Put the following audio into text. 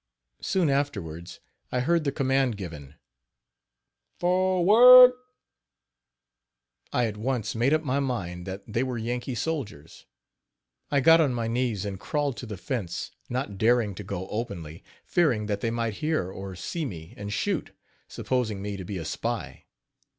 Soon afterwards I heard the command given: "Forward!" I at once made up my mind that they were Yankee soldiers. I got on my knees and crawled to the fence, not daring to go openly, fearing that they might hear or see me and shoot, supposing me to be a spy.